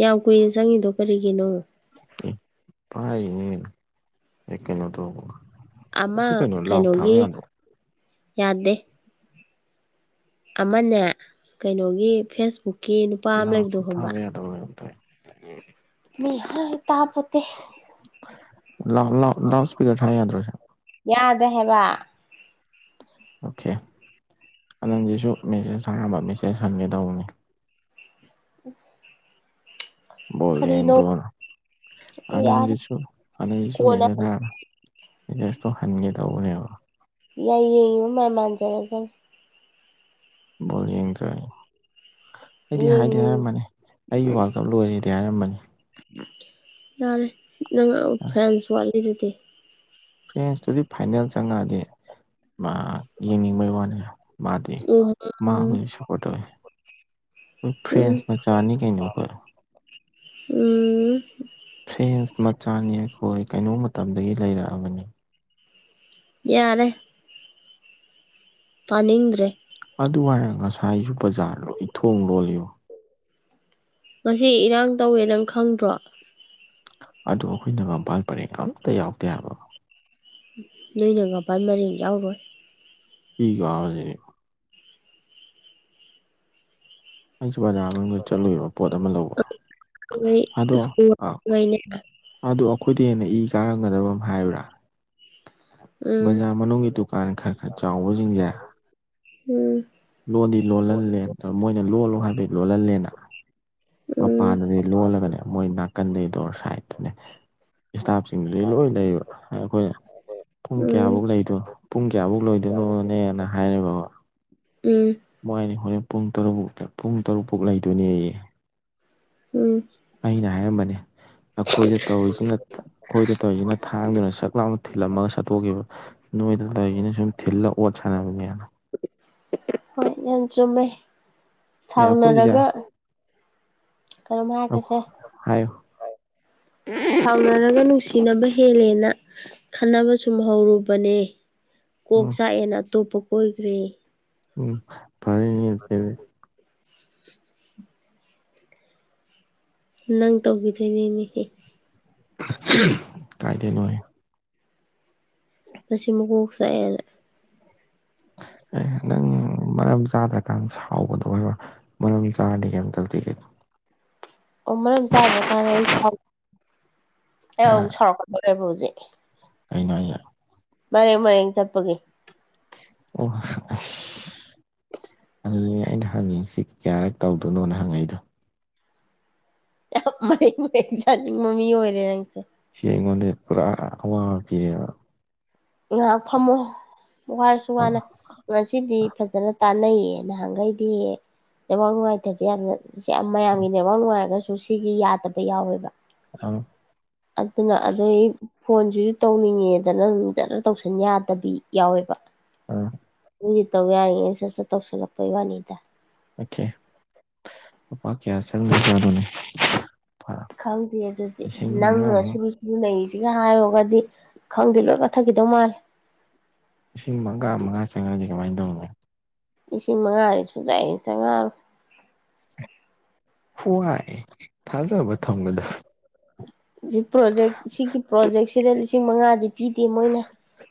ꯌꯥꯝ ꯀꯨꯏꯅ ꯆꯪꯉꯤꯗꯣ ꯀꯔꯤꯒꯤꯅꯣ ꯍꯥꯏꯔꯤꯅꯤ ꯑꯦ ꯀꯩꯅꯣꯗꯣ ꯑꯃ ꯀꯩꯅꯣꯒꯤ ꯌꯥꯗꯦ ꯑꯃꯅꯦ ꯀꯩꯅꯣꯒꯤ ꯐꯦꯁꯕꯨꯛꯀꯤ ꯅꯨꯄꯥ ꯑꯃ ꯂꯩꯕꯗꯣ ꯂꯥꯎꯠꯁꯨ ꯍꯣꯡꯕ ꯊꯥꯕ ꯌꯥꯗꯕ ꯀꯩꯅꯣꯝ ꯇꯧꯋꯦ ꯃꯤ ꯍꯥꯏ ꯇꯥꯄꯣꯠꯇꯦ ꯂꯥꯥꯎ ꯂꯥꯎ ꯂꯥꯎꯁꯄꯤꯀ꯭ꯔ ꯊꯥ ꯌꯥꯗ꯭ꯔꯣ ꯁꯦ ꯌꯥꯗꯦ ꯍꯥꯏꯕ ꯑꯣꯈꯦ ꯑꯅꯟꯗꯤꯁꯨ ꯃꯦꯁꯦꯖ ꯊꯔꯛꯑꯝꯕ ꯃꯦꯁꯦꯖ ꯍꯟꯒꯦ ꯇꯧꯕꯅꯤ ꯎꯝ ꯕꯣꯜ ꯌꯦꯡꯗ꯭ꯔꯣꯅ ꯌꯥꯔꯦ ꯑꯅꯟꯗꯤꯁꯨ ꯑꯅꯟꯗꯤꯁꯨ ꯀꯣꯟꯅ ꯃꯦꯁꯦꯖ ꯊꯥꯔꯝꯃꯦ ꯏꯗꯦꯁꯇꯣ ꯍꯟꯒꯦ ꯇꯧꯕꯅꯦꯕ ꯌꯩ ꯌꯦꯡꯕ ꯃꯥꯏ ꯃꯥꯟꯖꯔꯁꯅꯤ ꯕꯣꯜ ꯌꯦꯡꯗ꯭ꯔꯌꯦ ꯑꯩꯗꯤ ꯍꯥꯏꯗꯤ ꯌꯦꯡꯉꯤ ꯍꯥꯏꯔꯝꯕꯅꯤ ꯑꯩꯒꯤ ꯋꯥꯜꯀꯞ ꯂꯣꯏꯔꯦꯗꯤ ꯍꯥꯏꯔꯝꯕꯅꯤ ꯌꯥꯔꯦ ꯅꯪ ꯑ ꯐ꯭ꯔꯥꯟꯁ ꯋꯥꯠꯂꯤꯗꯨꯗꯤ ꯐ꯭ꯔꯦꯟꯁꯇꯨꯗꯤ ꯐꯥꯏꯅꯦꯜ ꯆꯪꯉꯛꯑꯗꯤ ꯃꯥ ꯌꯦꯡꯅꯤꯡꯕꯩ ꯋꯥꯅꯤ ꯃꯥꯗꯤ ꯎꯝ ꯃꯥ ꯎꯝ ꯑꯣꯏ ꯁꯞ ꯄꯣꯠ ꯇꯧꯋꯦ ꯎꯝ ꯐ꯭ꯔꯦꯟꯁ ꯃꯆꯥꯅꯤ ꯀꯩꯅꯣ ꯑꯩꯈꯣꯏ ꯎꯝ ꯐ꯭ꯔꯦꯟꯁ ꯃꯆꯥꯅꯤ ꯑꯩꯈꯣꯏ ꯀꯩꯅꯣ ꯃꯇꯝꯗꯒꯤ ꯂꯩꯔꯛꯑꯕꯅꯤ ꯌꯥꯔꯦ ꯇꯥꯅꯤꯡꯗ꯭ꯔꯦ ꯑꯗꯨꯍꯥꯏꯔ ꯉꯁꯥꯏꯖꯨ ꯕꯖꯥꯔ ꯂꯣꯏ ꯊꯣꯡ ꯂꯣꯜꯂꯤꯕꯣ ꯉꯁꯤ ꯏꯔꯥꯡ ꯇꯧꯋꯦ ꯅꯪ ꯈꯪꯗ꯭ꯔꯣ ꯑꯗꯣ ꯑꯩꯈꯣꯏ ꯅꯒꯝꯄꯥꯜ ꯄꯔꯦꯡ ꯑꯝꯇ ꯌꯥꯎꯗꯦ ꯍꯥꯏꯕ ꯅꯣꯏ ꯅꯒꯝꯄꯥꯜ ꯃꯔꯤꯡ ꯌꯥꯎꯔꯣꯏ ꯏ ꯀꯥꯔꯦ ꯑꯩꯁꯨ ꯕꯖꯥ ꯃꯅꯨꯡꯗ ꯆꯠꯂꯨꯏꯕ ꯄꯣꯠ ꯑꯃ ꯂꯧꯕ ꯑꯗꯣ [unintelligible] ꯑꯗꯣ ꯑꯩꯈꯣꯏꯗꯩ ꯍꯦꯟꯅ ꯏ ꯀꯥꯔꯝꯒꯗꯕ ꯑꯃ ꯍꯥꯏꯌꯨꯔꯥ [unintelligible] ꯕꯖꯥꯔ ꯃꯅꯨꯡꯒꯤ ꯗꯨꯀꯥꯟ ꯈꯔ ꯈꯔ ꯆꯥꯎꯕꯖꯤꯡꯖꯦ ꯎꯝ ꯂꯣꯟꯗꯤ ꯂꯣꯜꯍꯜꯂꯦ ꯗꯣ ꯃꯣꯏꯅ ꯂꯣꯜꯂꯣ ꯍꯥꯏꯕꯩ ꯂꯣꯜꯍꯜꯂꯦꯅ ꯎꯝ ꯃꯄꯥꯟꯗꯗꯤ ꯂꯣꯜꯂꯒꯅꯦ ꯃꯣꯏ ꯅꯥꯀꯟꯗꯩ ꯗꯣꯔ ꯁꯥꯏꯠꯇꯅꯦ ꯏꯁꯇꯥꯞꯁꯤꯡꯗꯨꯗꯤ ꯂꯣꯏ ꯂꯩꯌꯦꯕ ꯑꯗꯩ ꯑꯩꯈꯣꯏꯅ ꯄꯨꯡ ꯎꯝ ꯀꯌꯥꯕꯧ ꯂꯩꯗꯣ ꯄꯨꯡ ꯀꯥꯌꯥꯕꯧ ꯂꯣꯏꯗꯣꯏꯅꯣꯅꯦꯅ ꯍꯥꯏꯔꯦꯕꯀꯣ ꯎꯝ ꯃꯣꯏ ꯑꯅꯤ ꯍꯣꯔꯦꯟ ꯄꯨꯡ ꯇꯔꯨꯛꯕꯧ ꯀꯌꯥ ꯄꯨꯡ ꯇꯔꯨꯛ ꯐꯧ ꯂꯩꯗꯣꯏꯅꯦꯌꯦ ꯎꯝ ꯑꯩꯅ ꯍꯥꯏꯔꯝꯕꯅꯦ ꯑꯩꯈꯣꯏꯗ ꯇꯧꯔꯤꯁꯤꯅ ꯑꯩꯈꯣꯏꯗ ꯇꯧꯔꯤꯁꯤꯅ ꯊꯥꯡꯗꯨꯅ ꯁꯛ ꯂꯥꯎꯅ ꯊꯤꯜꯂꯝꯃꯒ ꯁꯠꯇꯣꯛꯈꯤꯕ ꯅꯣꯏꯗ ꯂꯩꯔꯤꯖꯤꯅ ꯁꯨꯝ ꯊꯤꯜꯂ ꯑꯣꯠ ꯁꯥꯟꯅꯕꯅꯦꯅ ꯍꯣꯏ ꯅꯪ ꯆꯨꯝꯃꯦ ꯑꯦ ꯑꯩꯈꯣꯏꯗꯨꯗꯤ ꯁꯥꯎꯅꯔꯒ ꯀꯩꯅꯣꯝ ꯍꯥꯏꯔꯛꯀꯦꯁꯦ ꯍꯥꯏꯌꯣ ꯁꯥꯎꯅꯔꯒ ꯅꯨꯡꯁꯤꯅꯕ ꯍꯦꯜꯂꯦꯅ ꯈꯟꯅꯕ ꯁꯨꯝ ꯍꯧꯔꯨꯕꯅꯦ ꯀꯣꯛ ꯎꯝ ꯆꯥꯛꯑꯦꯅ ꯑꯇꯣꯞꯄ ꯀꯣꯏꯈ꯭ꯔꯦ ꯎꯝ ꯐꯔꯅꯤ [unintelligible] [inaudible] ꯅꯪ ꯇꯧꯈꯤꯗꯣꯏꯅꯤꯅꯦ ꯀꯥꯏꯗꯩꯅꯣꯍꯦ ꯃꯁꯤ ꯃꯀꯣꯛ ꯆꯥꯛꯑꯦꯅ ꯑꯦ ꯅꯪ ꯃꯔꯝ ꯆꯥꯗ꯭ꯔꯀꯥꯟ ꯁꯥꯎꯕꯗꯣ ꯑꯣꯏꯕ ꯃꯔꯝ ꯆꯥꯔꯗꯤ ꯀꯩꯝ ꯇꯧꯗꯦ ꯀꯩꯅꯣ ꯑꯣ ꯃꯔꯝ ꯆꯥꯗ꯭ꯔꯀꯥꯟꯗ ꯑꯩ ꯑꯩ ꯑꯃꯨꯛ ꯁꯥꯎꯔꯛꯀꯗꯣꯔꯦꯕ ꯍꯧꯖꯤꯛ ꯀꯩꯅꯣ ꯍꯥꯏꯖꯦ ꯃꯔꯦꯡ ꯃꯔꯦꯡ ꯆꯠꯄꯒꯤ ꯑꯣ ꯑꯗꯨꯅꯦ ꯑꯩꯅ ꯍꯪꯉꯤꯁꯤ ꯀꯌꯥꯔꯛ ꯇꯧꯗꯣꯏꯅꯣꯅ ꯍꯪꯉꯛꯏꯗꯣ ꯌꯥꯝ ꯃꯔꯦꯡ ꯃꯔꯦꯡ ꯆꯠꯅꯤꯡꯕ ꯃꯤ ꯑꯣꯏꯔꯦ ꯅꯪꯁꯦ ꯁꯤ ꯑꯩꯉꯣꯟꯗ ꯄꯨꯔꯥ ꯑꯋꯥꯕ ꯄꯤꯔꯦꯕ ꯉꯥꯏꯍꯥꯛ ꯐꯝꯃꯣ ꯋꯥꯔꯁꯨ ꯋꯥꯅ ꯉꯁꯤꯗꯤ ꯐꯖꯅ ꯇꯥꯟꯅꯩꯌꯦ ꯅꯍꯥꯟꯈꯩꯗꯤ ꯅꯦꯠꯋꯥꯔꯛ ꯅꯨꯡꯉꯥꯏꯇꯕꯁꯦ ꯌꯥꯝꯅ ꯁꯤ ꯌꯥꯝ ꯃꯌꯥꯝꯒꯤ ꯅꯦꯋꯥꯔꯛ ꯅꯨꯡꯉꯥꯏꯔꯒꯁꯨ ꯁꯤꯒꯤ ꯌꯥꯗꯕ ꯌꯥꯎꯋꯦꯕ ꯑꯪ ꯑꯗꯨꯅ ꯑꯗꯨꯏ ꯐꯣꯟꯁꯤꯁꯨ ꯇꯧꯅꯤꯡꯉꯦꯗꯅ ꯑꯗꯨꯝ ꯐꯖꯅ ꯇꯧꯁꯟ ꯌꯥꯗꯕꯤ ꯌꯥꯎꯋꯦꯕ ꯑꯥ ꯃꯣꯏꯒꯤ ꯇꯧ ꯌꯥꯔꯤꯉꯩ ꯁꯠꯁ ꯇꯧꯁꯜꯂꯛꯄꯩ ꯋꯥꯅꯤꯗ ꯑꯣꯀꯦ ꯂꯨꯄꯥ ꯀꯌꯥ ꯆꯪꯉ ꯖꯥꯠꯅꯣꯅꯦ ꯈꯪꯗꯦ ꯑꯗꯨꯗꯤ ꯅꯪꯅ ꯃꯉꯥꯃꯨꯛ ꯁꯨ ꯅꯩꯁꯤꯒ ꯍꯥꯏꯔꯨꯔꯒꯗꯤ ꯈꯪꯗꯦ ꯂꯣꯏ ꯀꯠꯊꯈꯤꯗꯧ ꯃꯥꯜꯂꯦ ꯂꯤꯁꯤꯡ ꯃꯉꯥ ꯃꯉꯥ ꯆꯪꯉꯛꯗꯤ ꯀꯃꯥꯏꯅ ꯇꯧꯅꯤ ꯂꯤꯁꯤꯡ ꯃꯉꯥꯗꯤ ꯁꯨꯨꯡꯆꯪ ꯍꯦꯛ ꯆꯪꯉꯑꯔꯣꯏ ꯍꯋꯥꯏ ꯊꯥꯖꯕ ꯊꯝꯒꯗꯕ ꯄ꯭ꯔꯣꯖꯦꯛ ꯁꯤꯒꯤ ꯄ꯭ꯔꯣꯖꯦꯛꯁꯤꯗ ꯂꯤꯁꯤꯡ ꯃꯉꯥꯗꯤ ꯄꯤꯗꯦ ꯃꯣꯏꯅ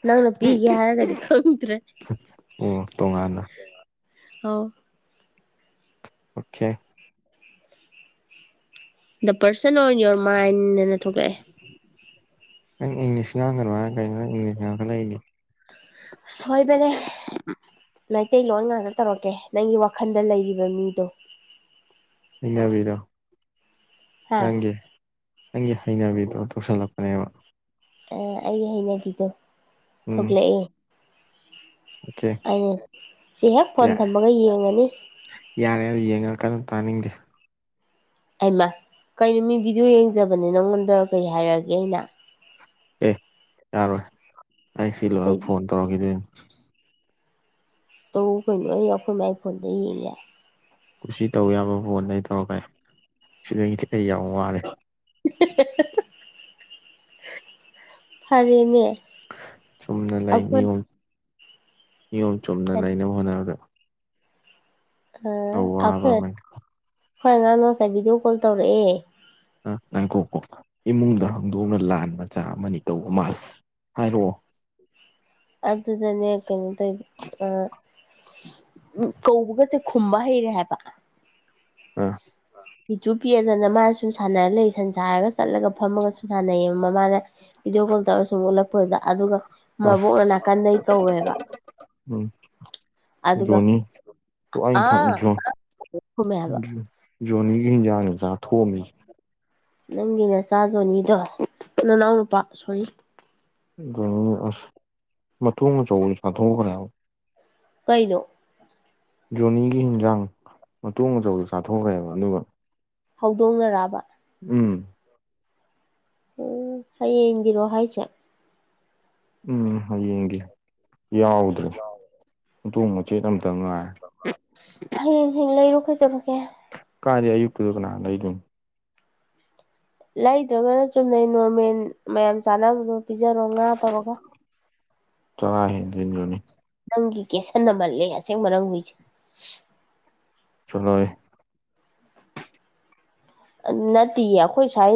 ꯅꯪꯅ ꯄꯤꯒꯦ ꯍꯥꯏꯔꯒꯗꯤ ꯈꯪꯗ꯭ꯔꯦ ꯑꯣ ꯇꯣꯉꯥꯟꯅ ꯑꯥꯎ okay the person on your mind ꯑꯅ ꯊꯣꯛꯂꯛꯑꯦ ꯅꯪ ꯏꯪꯂꯤꯁ ꯉꯥꯡꯒꯅꯣ ꯍꯥꯏꯔꯒ ꯀꯩꯅꯣ ꯅꯪ ꯏꯪꯂꯤꯁ ꯉꯥꯡꯈꯠꯂꯛꯏꯗꯤ ꯁꯣꯏꯕꯅꯦ ꯃꯩꯇꯩ ꯂꯣꯟ ꯉꯥꯛꯇ ꯇꯧꯔꯛꯀꯦ ꯅꯪꯒꯤ ꯋꯥꯈꯜꯗ ꯂꯩꯔꯤꯕ ꯃꯤꯗꯣ ꯍꯅꯕꯤꯗꯣ ꯍꯥ ꯅꯪꯒꯤ ꯅꯪꯒꯤ ꯍꯩꯅꯕꯤꯗꯣ ꯇꯧꯁꯜꯂꯛꯄꯅꯦꯕ ꯑ ꯑꯩꯒꯤ ꯍꯩꯅꯕꯤꯗꯣ ꯎꯝ ꯊꯣꯛꯂꯛꯑꯦ ꯑꯣꯀꯦ ꯑꯩꯅ ꯁꯤ ꯍꯦꯛ ꯐꯣꯟ ꯊꯝꯕꯒ ꯌꯦꯡꯉꯅꯤ ꯌꯥꯔꯦ ꯌꯦꯡꯉꯛꯀꯅꯨ ꯇꯥꯅꯤꯡꯗꯦ ꯑꯩꯃ ꯀꯩꯅꯣ ꯃꯤ ꯚꯤꯗꯤꯑꯣ ꯌꯦꯡꯖꯕꯅꯦ ꯅꯪꯉꯣꯟꯗ ꯀꯩ ꯍꯥꯏꯔꯛꯑꯒꯦ ꯑꯩꯅ ꯑꯦ ꯌꯥꯔꯣꯏ ꯑꯩ ꯁꯤ ꯀꯩ ꯂꯣꯏꯔ ꯐꯣꯟ ꯇꯧꯔꯛꯈꯤꯗꯣꯏꯅꯦ ꯇꯧ ꯀꯩꯅꯣ ꯑꯩ ꯑꯩꯈꯣꯏ ꯃꯥꯏ ꯐꯣꯟꯗꯩꯩ ꯌꯦꯡ ꯌꯥꯏ ꯀꯨꯁꯤ ꯇꯧ ꯌꯥꯕ ꯐꯣꯟꯗꯩ ꯇꯧꯔꯀꯦ ꯁꯤꯗꯒꯤꯗꯤ ꯑꯩ ꯌꯥꯝ ꯋꯥꯔꯦ ꯐꯔꯦꯅꯦ ꯆꯨꯝꯅ ꯑꯩꯈꯣꯏ ꯅꯤꯌꯣꯝ ꯅꯤꯌꯣꯝ ꯆꯨꯝꯅ ꯂꯩꯅꯕ ꯍꯣꯠꯅꯕꯗ ꯑꯋꯥꯕ ꯑꯩꯈꯣꯏ ꯑꯃꯅꯤ ꯑꯩꯈꯣꯏ ꯑꯉꯥꯡꯅ ꯉꯁꯥꯏ ꯚꯤꯗꯤꯑꯣ ꯀꯣꯜ ꯇꯧꯔꯛꯑꯦ ꯑ ꯉꯪꯀꯣꯛꯀꯣ ꯏꯃꯨꯡꯗ ꯍꯥꯡꯗꯣꯛꯅ ꯂꯥꯟ ꯃꯆꯥ ꯑꯃꯅꯤ ꯇꯧꯕ ꯃꯥꯜꯜꯂꯤꯦ ꯍꯥꯏꯔꯛꯑꯣ ꯑꯗꯗꯅ ꯀꯦ ꯇ ꯑ ꯎ ꯀꯧꯕꯒꯁꯦ ꯈꯨꯝꯕ ꯍꯩꯔꯦ ꯍꯥꯏꯕ ꯑꯝ ꯐꯤꯆꯨ ꯄꯤꯗꯅ ꯃꯥꯅ ꯁꯨꯝ ꯁꯥꯟꯅꯔ ꯂꯩ ꯁꯟꯁꯔꯒ ꯆꯠꯂꯒ ꯐꯝꯃꯒꯁꯨ ꯁꯥꯟꯅꯩꯌꯦꯕ ꯃꯃꯥꯗ ꯏꯦꯒꯣꯜ ꯇꯔ ꯁꯨꯝ ꯑꯣꯂꯛꯄꯗ ꯑꯗꯨꯒ ꯑꯁ ꯃꯕꯣꯛꯅ ꯅꯥꯀꯟꯗꯩ ꯀꯧꯋꯦꯕ ꯎꯝ ꯑꯗꯨꯒ ꯖꯣꯅꯤ ꯑꯥ ꯈꯨꯝꯃꯦ ꯍꯥꯏꯕ [unintelligible] ꯖꯣꯅꯤꯒꯤ ꯍꯥꯟꯖꯥꯡ ꯅꯤ ꯆꯥꯊꯣꯛꯑꯝꯃꯤ ꯅꯪꯒꯤ ꯃꯆꯥꯖꯣꯅꯤꯗꯣ ꯅꯅꯥꯎꯅꯨꯄꯥ ꯁꯣꯔꯤ ꯑꯗꯨꯅꯤ ꯑꯁ ꯃꯇꯣꯡ ꯑꯆꯧ ꯆꯥꯟꯊꯣꯛꯈ꯭ꯔꯦꯕ ꯀꯩꯅꯣ ꯖꯣꯅꯤꯒꯤ ꯍꯤꯟꯖꯥꯡ ꯃꯇꯣꯡ ꯃꯇꯆꯧꯗ ꯆꯥꯊꯣꯛꯈ꯭ꯔꯦꯕ ꯑꯗꯨꯒ ꯍꯧꯗꯣꯡꯅꯔꯑꯕ ꯎꯝ ꯎꯝ ꯍꯌꯦꯡꯒꯤꯔꯣ ꯍꯥꯏꯁꯦ ꯎꯝ ꯍꯌꯦꯡꯒꯤ ꯌꯥꯎꯗ꯭ꯔꯦ ꯅꯣꯡ ꯃꯆꯦꯠ ꯑꯃꯝꯇ ꯉꯥꯏ ꯍꯌꯦ ꯍ ꯂꯩꯔꯨ ꯈꯩꯖꯔꯨꯀꯦ ꯀꯥꯗꯤ ꯑꯌꯨꯛꯇꯨꯗ ꯀꯅꯥꯅ ꯂꯩꯗꯅ ꯂꯩꯇ꯭ꯔꯒꯅ ꯆꯨꯝꯅꯩ ꯅꯣꯔꯃꯦꯜ ꯃꯌꯥꯝ ꯆꯥꯅꯕꯗꯣ ꯄꯤꯖꯔꯣ ꯉꯥ ꯇꯧꯔꯒ ꯆꯔꯥ ꯍꯦꯟꯗꯣꯏꯅꯤꯖꯣꯅꯤ ꯅꯪꯒꯤ ꯀꯦꯁꯟꯟꯅꯃꯜꯂꯦ ꯑꯁꯦꯡꯕꯪ ꯍꯨꯏꯁꯦ ꯆꯂꯋꯦ ꯅꯠꯇꯦꯌꯦ ꯑꯩꯈꯣꯏ ꯁꯥꯏ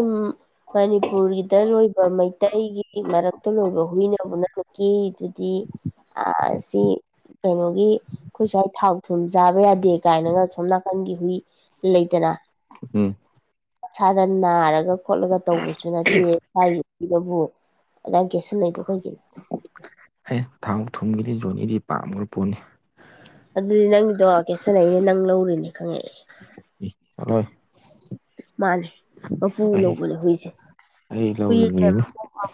ꯃꯅꯤꯄꯨꯔꯒꯤꯗ ꯂꯣꯏꯕ ꯃꯩꯇꯩꯒꯤ ꯃꯔꯛꯇ ꯂꯣꯏꯕ ꯍꯨꯏꯅ ꯄꯨꯝꯅꯃꯛꯀꯤꯗꯨꯗꯤ ꯑ ꯁꯤ ꯀꯩꯅꯣꯒꯤ ꯑꯩꯈꯣꯏ ꯁ꯭ꯋꯥꯏ ꯊꯥꯎ ꯊꯨꯝ ꯆꯥꯕ ꯌꯥꯗꯦ ꯀꯥꯏꯅꯒ ꯁꯣꯝ ꯅꯥꯀꯟꯒꯤ ꯍꯨꯏ ꯂꯩꯇꯔ ꯎꯝ ꯏꯁꯥꯗ ꯅꯥꯔꯒ ꯈꯣꯠꯂꯒ ꯇꯧꯕꯁꯨ ꯅꯠꯇꯦ ꯍꯥꯏꯔꯤ ꯅꯕꯨ ꯑꯗꯥꯥꯡ ꯀꯒꯦꯁꯟ ꯂꯩꯗꯣ ꯀꯩꯒꯤꯅꯣ ꯑꯩ ꯊꯥꯎ ꯊꯨꯝꯒꯤꯗꯤ ꯖꯣꯅꯤꯗꯤ ꯄꯥꯝꯈꯕ ꯄꯣꯠꯅꯤ ꯑꯗꯨꯗꯤ ꯅꯪꯒꯤꯗꯣ ꯀꯦꯁꯥꯟꯅꯏꯅꯦ ꯅꯪ ꯂꯧꯔꯨꯅꯦ ꯈꯪꯉꯛꯑꯦ ꯏ ꯆꯠꯂꯣꯍꯦ ꯃꯥꯅꯦ ꯄꯄꯨ ꯑꯩ ꯂꯧꯕꯣꯅꯦ ꯍꯣꯏꯁꯦ ꯑꯩ ꯀꯤ ꯂꯧꯔꯤꯅꯦꯅ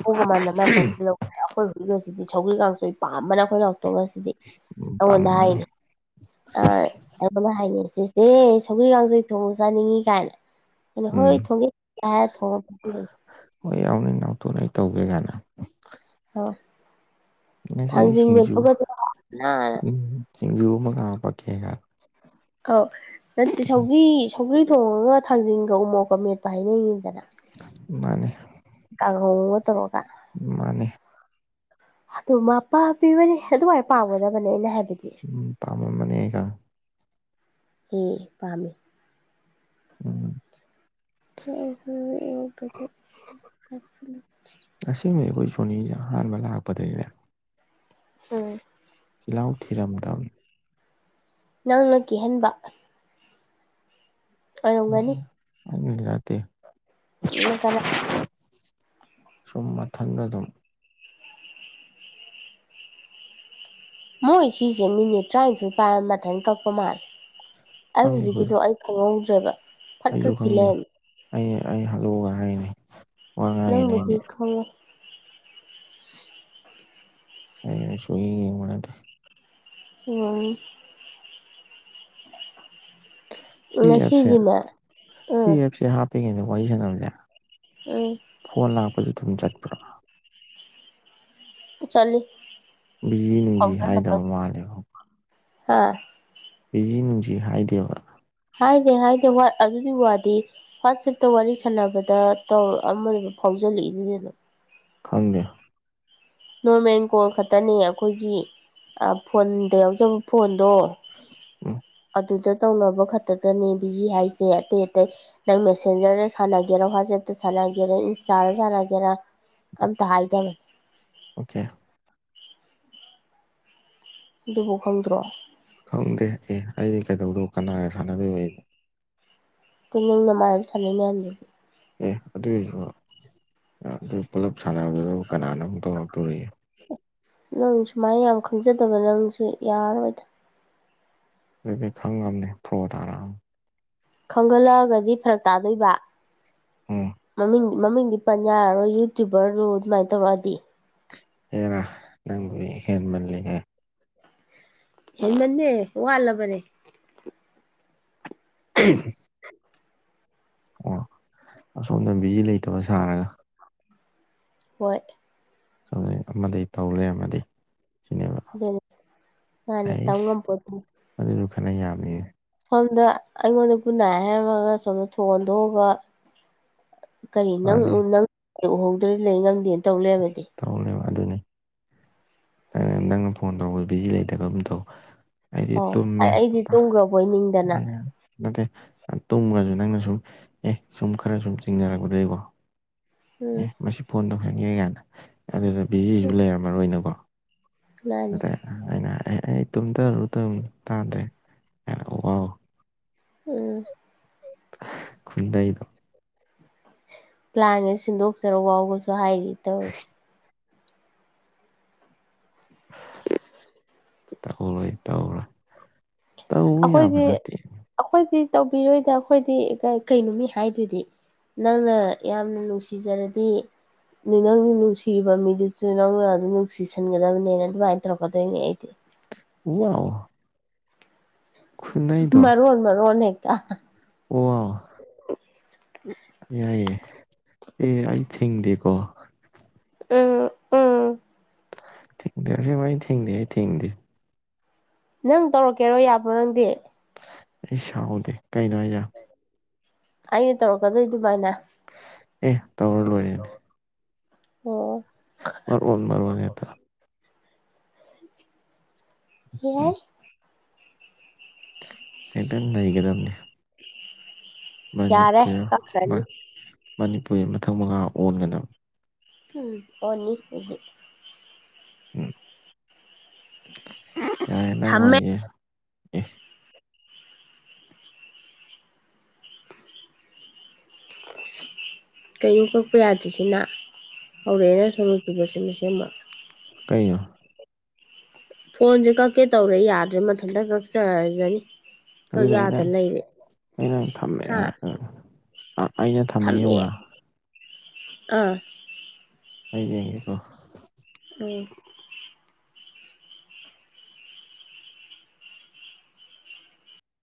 ꯄꯒꯃ ꯑ ꯃꯥ ꯇ ꯑꯩꯈꯣꯏꯣꯁꯤꯗꯤ ꯁꯧꯒ꯭ ꯀꯥꯡꯇꯣꯏ ꯄꯥꯝꯕꯅ ꯑꯩꯈꯣꯏ ꯂꯥꯎꯇꯣꯛ ꯉꯁꯤꯗꯤ ꯎꯝ ꯑꯩꯉꯣꯟꯗ ꯄꯥꯝꯃꯝꯃꯅꯤ ꯍꯥꯏꯔꯤꯅꯤ ꯑ ꯑꯩꯅ ꯍꯥꯏꯅꯤꯡ ꯁꯤꯁꯦ ꯁꯒꯔꯤ ꯀꯥꯡꯖꯩ ꯊꯣꯡ ꯆꯥꯅꯤꯡꯉꯤ ꯀꯥꯏꯅ ꯩꯅ ꯎꯝ ꯍꯣꯏ ꯊꯣꯡꯒꯦ ꯌꯥ ꯊꯣꯡꯉ ꯍꯣꯏ ꯌꯥꯎꯅꯤ ꯅꯅꯥꯎꯇꯨꯅ ꯑꯩ ꯇꯧꯒꯦ ꯀꯥꯏꯅ ꯑ ꯉꯁꯤꯗꯤ ꯊꯥꯡꯖꯤꯡ ꯁꯤꯡꯖꯨ ꯃꯦꯠꯄꯒꯗ꯭ꯔꯥ ꯎꯝ ꯁꯤꯡꯖꯨ ꯑꯃꯒ ꯄꯛꯀꯦꯔ ꯑꯧ ꯅꯠꯇꯦ ꯁꯧꯕ꯭ꯔꯤ ꯁꯒ꯭ꯔꯤ ꯊꯣꯡꯉꯒ ꯊꯥꯡꯖꯟꯒ ꯎꯃꯣꯛꯀ ꯃꯦꯠꯄ ꯍꯥꯏꯩꯅꯩꯅꯤꯗꯅ ꯃꯥꯅꯦ ꯀꯥꯡꯍꯧ ꯑꯃꯒ ꯇꯧꯔꯒ ꯃꯥꯅꯦ ꯑꯗꯨ ꯃꯄꯥ ꯄꯤꯕꯅꯤ ꯑꯗꯨꯋꯥꯏꯅ ꯄꯥꯝꯒꯗꯕꯅꯦ ꯑꯩꯅ ꯍꯥꯏꯕꯗꯤ ꯎꯝ ꯄꯥꯝꯃꯝꯕꯅꯦ ꯑꯩ ꯈꯪꯏ ꯍꯦꯄꯥꯝꯃꯦ ꯎꯝ [unintelligible] ꯑꯁꯦꯡꯕ ꯑꯩꯈꯣꯏ ꯁꯣꯅꯤꯁꯦ ꯑꯍꯥꯟꯕ ꯂꯥꯛꯄꯗꯒꯤꯅꯦ ꯎꯝ ꯆꯤꯜꯍꯥꯎ ꯊꯤꯔꯝꯗꯝ ꯅꯪꯅ ꯀꯤꯍꯟꯕ ꯑꯣꯏꯔꯝꯒꯅꯤ ꯑꯗꯨꯒꯤ ꯅꯇꯦ ꯀꯅꯥ [unintelligible] ꯁꯨꯝ ꯃꯊꯟꯗ ꯑꯗꯨꯝ ꯃꯣꯏ ꯁꯤꯁꯦ ꯃꯤꯅꯤꯠ ꯇꯔꯥꯅꯤꯊꯣꯏ ꯄꯥꯏꯔ ꯃꯊꯪ ꯀꯛꯄ ꯃꯥꯜꯂꯦ ꯑꯩ ꯍꯧꯖꯤꯛꯀꯤꯗꯣ ꯑꯩ ꯈꯪꯍꯣꯗꯔꯦꯕ ꯑꯩꯁꯨ ꯈꯪꯗꯦ ꯑꯩ ꯑꯩ ꯍꯜꯂꯛꯑꯒ ꯍꯥꯏꯅꯤ ꯅꯪꯕꯨꯗꯤꯈꯉ ꯑ ꯁꯨꯏꯗꯤ ꯑꯣ ꯁꯤ ꯑꯦꯞꯁꯦ ꯉꯁꯤꯒꯤꯅꯦ ꯁꯤ ꯎꯝ ꯑꯦꯞꯁꯦ ꯍꯥꯞꯄꯉꯦꯗ ꯋꯥꯔꯤ ꯁꯪꯉꯅꯕꯁꯦ ꯑꯣ ꯐꯣꯟ ꯂꯥꯛꯄꯗꯨ ꯑꯗꯨꯝ ꯆꯠꯄ꯭ꯔꯥ ꯆꯂꯤ ꯕꯤꯖꯤ ꯅꯨꯡꯖꯤ ꯍꯥꯏꯗꯕ ꯃꯥꯜꯂꯦꯕ ꯍꯥꯥ ꯑꯩꯖꯤ ꯅꯨꯡꯁꯤ ꯍꯥꯏꯗꯦꯕ꯭ꯔꯥ ꯍꯥꯏꯗꯦ ꯍꯥꯏꯗꯦ ꯑꯗꯨꯒꯤ ꯋꯥꯗꯤ ꯋꯥꯆꯦꯞꯇ ꯋꯥꯔꯤ ꯁꯥꯟꯅꯕꯗ ꯇꯧ ꯑꯃꯗ ꯐꯥꯎꯖꯜꯂꯛꯏꯗꯨꯗꯅꯣ ꯈꯪꯗꯦ ꯅꯣꯔꯃꯦꯜ ꯀꯣꯜ ꯈꯛꯇꯅꯦ ꯑꯩꯈꯣꯏꯒꯤ ꯐꯣꯟꯗ ꯌꯥꯎꯖꯕ ꯐꯣꯟꯗꯣ ꯎꯝ ꯑꯗꯨꯗ ꯇꯧꯅꯕ ꯈꯛꯇꯗꯅꯦ ꯕꯤꯖꯤ ꯍꯥꯏꯁꯦ ꯑꯇꯩ ꯑꯇꯩ ꯅꯪ ꯃꯦꯁꯦꯟꯖꯔꯗ ꯁꯥꯟꯅꯒꯦꯔꯥ ꯋꯥꯆꯦꯞꯇ ꯁꯥꯟꯅꯒꯦꯔꯥ ꯏꯟꯁꯇꯥꯗ ꯁꯥꯟꯅꯒꯦꯔꯥ ꯑꯝꯇ ꯍꯥꯏꯗꯦ ꯑꯣꯀꯦ ꯑꯗꯨꯕꯨ ꯈꯪꯗ꯭ꯔꯣ ꯈꯪꯗꯦ ꯑꯦ ꯑꯩꯗꯤ ꯀꯩꯗꯧꯔꯣ ꯀꯅꯥꯒ ꯁꯥꯟꯅꯗꯣꯏꯕ ꯑꯩꯅꯣ ꯑꯩꯈꯣꯏ ꯅꯪꯅꯃꯥꯟꯅ ꯁꯥꯟꯅꯩ ꯃꯌꯥꯝꯗꯨꯗꯤ ꯑꯦ ꯑꯗꯨꯏꯁꯨ ꯑꯗꯨ ꯄꯨꯂꯞ ꯁꯥꯟꯅꯕꯗꯨꯗꯕꯨ ꯀꯅꯥꯅ ꯑꯃꯨꯛ ꯇꯧꯔꯛꯇꯣꯔꯤ ꯅꯪ ꯁꯨꯃꯥꯏꯅ ꯌꯥꯝ ꯈꯪꯖꯗꯕ ꯅꯪꯁꯨ ꯌꯥꯔꯣꯏꯗꯅ ꯑꯗꯨꯗꯤ ꯈꯪꯉꯕꯅꯦ ꯄ꯭ꯔꯣꯠꯔꯥꯡ ꯈꯪꯒꯠꯂꯛꯑꯒꯗꯤ ꯐꯔꯛ ꯇꯥꯗꯣꯏꯕ ꯎꯝ ꯃꯃꯤꯡ ꯃꯃꯤꯡꯗꯤ ꯄꯟ ꯌꯥꯔꯔꯣꯏ ꯌꯨꯇ꯭ꯌꯨꯕꯔꯗꯨꯣ ꯑꯗꯨꯃꯥꯏꯅ ꯇꯧꯔꯛꯑꯗꯤ ꯍꯦꯔꯥ ꯅꯪꯗꯨ ꯍꯦꯟꯃꯜꯂꯤꯉꯦ ꯍꯟꯅꯟꯅꯦ ꯋꯥꯠꯂꯕꯅꯦ ꯎꯝ ꯑꯣ ꯑꯁꯣꯝꯗ ꯕꯤꯖꯤ ꯂꯩꯇꯕ ꯁꯥꯔꯒ ꯍꯣꯏ ꯁꯨꯝ ꯑꯃꯗꯤ ꯇꯧꯔꯦ ꯑꯃꯗꯤ ꯑꯗꯨꯅꯦ ꯅꯅꯦ ꯇꯉꯝ ꯄꯠꯇ ꯑꯗꯨꯗꯨ ꯈꯔꯅ ꯌꯥꯝꯅꯤ ꯁꯣꯝꯗ ꯑꯩꯉꯣꯟꯗ ꯈꯨꯟꯅꯥꯏ ꯍꯥꯏꯔꯝꯃꯒ ꯁꯣꯝꯗ ꯊꯣꯡꯟꯊꯣꯛꯑꯕ ꯀꯔꯤ ꯅꯪ ꯃꯥꯅꯦ ꯅꯪ ꯎꯍꯣꯡꯗ꯭ꯔꯗꯤ ꯂꯩ ꯉꯪꯗꯦꯅ ꯇꯧ ꯂꯩ ꯍꯥꯏꯕꯗꯤ ꯇꯧꯔꯅꯦꯕ ꯑꯗꯨꯅꯤ ꯅꯪꯅ ꯐꯣꯟ ꯇꯧꯔꯄ ꯕꯤꯖꯤ ꯂꯩꯇꯒꯝ ꯇꯧ ꯑꯩꯗꯤ ꯑꯣ ꯇꯨꯝꯃꯦ ꯑꯩꯗꯤ ꯇꯨꯝꯈ꯭ꯔꯕꯣꯏ ꯅꯤꯡꯗꯅ ꯅꯠꯇꯦ ꯇꯨꯝꯈ꯭ꯔꯁꯨ ꯅꯪꯅ ꯁꯨꯝ ꯑꯦ ꯁꯨꯝ ꯈꯔ ꯁꯨꯝ ꯆꯤꯡꯅꯔꯛꯄꯗꯗꯒꯤꯀꯣ ꯎꯝ ꯐꯣꯟ ꯇꯧꯁꯟꯒꯦ ꯀꯥꯏꯅ ꯑꯗꯨꯗ ꯕꯤꯖꯤꯁꯨ ꯂꯩꯔꯝꯃꯔꯣꯏꯅꯀꯣ ꯃꯥꯅꯤ ꯑꯗ ꯑꯩꯅ ꯑꯦ ꯑꯩ ꯇꯨꯝꯊꯔꯨ ꯇꯧꯔꯤꯟ ꯇꯥꯗ꯭ꯔꯦ ꯋꯥꯎ ꯎꯝ ꯈꯨꯟꯅꯩꯗꯣ ꯄ꯭ꯂꯥꯏꯅ ꯁꯤꯟꯗꯣꯛꯆꯔꯨ ꯋꯥꯎꯒꯁꯨ ꯍꯥꯏꯔꯤ ꯇꯧꯔꯤꯁꯦ ꯇꯧꯔꯣꯏ ꯇꯧꯔꯣꯏ ꯇꯧꯕ ꯌꯥꯕ ꯑꯩꯈꯣꯏꯗꯤ ꯅꯠꯇꯦ ꯑꯩꯈꯣꯏꯗꯤ ꯇꯧꯕꯤꯔꯣꯏꯗ ꯑꯩꯈꯣꯏꯗꯤ ꯀꯩ ꯀꯩꯅꯣ ꯃꯤ ꯍꯥꯏꯗꯨꯗꯤ ꯅꯪꯅ ꯌꯥꯝꯅ ꯅꯨꯡꯁꯤꯖꯔꯗꯤ ꯑꯗꯨ ꯅꯪꯅ ꯅꯨꯡꯁꯤꯔꯤꯕ ꯃꯤꯗꯨꯁꯨ ꯅꯪꯅ ꯑꯗꯨꯝ ꯅꯨꯡꯁꯤꯁꯟꯒꯗꯕꯅꯤꯅ ꯑꯗꯨꯃꯥꯏꯅ ꯇꯧꯔꯛꯀꯗꯣꯏꯅꯦ ꯑꯩꯗꯤ ꯋꯥꯎ ꯈꯨꯟꯅꯩꯗꯣ ꯃꯔ‌ꯣꯟ ꯃꯔ‌ꯣꯟ ꯍ‌ꯦꯛꯇ ꯑꯣ [unintelligible] ꯌꯥꯏꯌꯦ ꯑꯦ ꯑꯩ ꯊꯤꯡꯗꯦꯀꯣ ꯎꯝ ꯎꯝ ꯊꯦꯡꯗꯩꯁꯤꯕꯨ ꯑꯩ ꯊꯤꯡꯗꯦ ꯑꯩ ꯊꯤꯡꯗꯦ ꯅꯪ ꯇꯧꯔꯛꯀꯦꯔꯣ ꯌꯥꯕ꯭ꯔ‌ꯣ ꯅꯪꯗꯤ ꯑꯩ ꯁꯥꯎꯗꯦ ꯀꯩꯅꯣ ꯍꯥꯏꯖ‌ꯦ ꯑꯩꯅ ꯇꯧꯔꯛꯀꯗꯨꯏ ꯗꯨꯃꯥꯏꯅ ꯑꯦ ꯇꯧꯔ ꯂꯣꯏꯔꯦꯅꯦ ꯑꯣ ꯃꯔ‌ꯣꯜ ꯃꯔ‌ꯣꯜ ꯍ‌ꯦꯇ ꯎꯝ [unintelligible] [unintelligible] ꯅꯩꯒꯗꯝꯅꯤ ꯌꯥꯔꯦ ꯃꯅꯤꯄꯨꯔ ꯃ ꯀꯛꯈ꯭ꯔꯅꯤ ꯃꯅꯤꯄꯨꯔꯤ ꯃꯊꯛ ꯃꯈꯥ ꯑꯣꯟꯒꯗꯕ ꯎꯝ ꯑꯣꯅꯤ ꯍꯧꯖꯤꯛ ꯌꯥꯔ‌ꯦ ꯅꯪ ꯊꯝꯃꯦ ꯋꯥꯔꯤꯗ‌ꯣ ꯑꯦ ꯀꯩꯅꯣ ꯀꯛꯄ ꯌꯥꯗ꯭ꯔꯤꯁꯤꯅ ꯍꯧꯔꯛꯑꯦꯅ ꯁꯣꯅ‌ꯣ ꯆꯨꯕꯁꯤ ꯃꯁꯤꯃꯥ ꯀꯩꯅ‌ꯣ ꯐꯣꯟꯁꯦ ꯀꯛꯀꯦ ꯇꯧꯔꯦ ꯌꯥꯗ꯭ꯔꯦ ꯃꯊꯟꯇ ꯀꯛꯆꯔꯖꯅꯤ ꯀꯛ ꯑꯗꯨꯗ ꯑꯩꯅ ꯌꯥꯗ ꯂꯩꯔꯦ ꯑꯩꯅ ꯊꯝꯃꯦ ꯍꯥ ꯍꯥꯏ ꯑꯩꯅ ꯊꯝꯃ ꯊꯝꯃꯦ ꯌ‌ꯦꯡꯉ‌ꯣꯔꯥ ꯑꯥ ꯑꯩ ꯌꯦꯡꯒ‌ꯦꯀꯣ ꯎꯝ